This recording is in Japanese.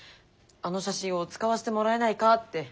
あの写真を使わせてもらえないかって。